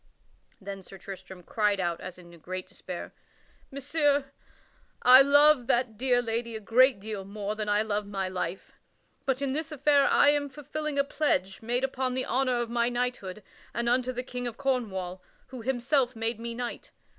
Then Sir Tristram cried out as in great despair: "Messire, I love that dear lady a great deal more than I love my life; but in this affair I am fulfilling a pledge made upon the honor of my knighthood and unto the King of Cornwall, who himself made me knight.